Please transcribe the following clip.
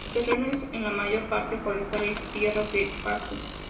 Su terreno es en la mayor parte forestal y tierras de pasto.